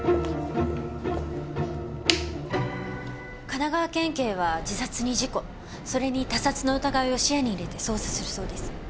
神奈川県警は自殺に事故それに他殺の疑いを視野に入れて捜査するそうです。